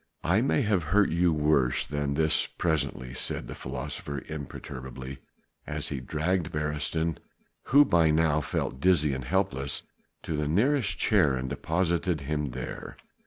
"I may have to hurt you worse than this presently," said the philosopher imperturbably as he dragged Beresteyn who by now felt dizzy and helpless to the nearest chair and deposited him there.